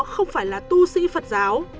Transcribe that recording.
không phải là tu sĩ phật giáo